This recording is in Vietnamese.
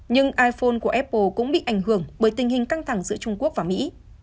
nhưng iphone của apple cũng bị ảnh hưởng bởi tình hình căng thẳng giữa trung quốc và mỹ